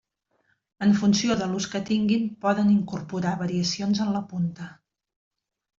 En funció de l'ús que tinguin poden incorporar variacions en la punta.